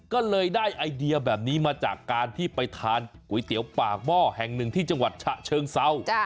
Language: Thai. ก็เลยได้ไอเดียแบบนี้มาจากการที่ไปทานก๋วยเตี๋ยวปากหม้อแห่งหนึ่งที่จังหวัดฉะเชิงเศร้า